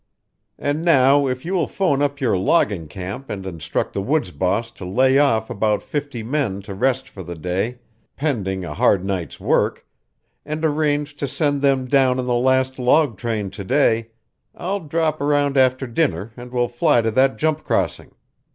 "And now if you will phone up to your logging camp and instruct the woods boss to lay off about fifty men to rest for the day, pending a hard night's work, and arrange to send them down on the last log train to day, I'll drop around after dinner and we'll fly to that jump crossing.